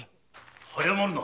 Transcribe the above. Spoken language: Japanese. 早まるな。